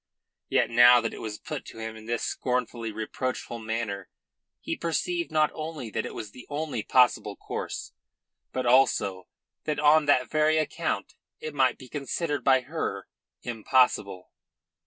Yet now that it was put to him in this scornfully reproachful manner he perceived not only that it was the only possible course, but also that on that very account it might be considered by her impossible.